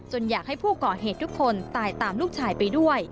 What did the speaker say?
อยากให้ผู้ก่อเหตุทุกคนตายตามลูกชายไปด้วย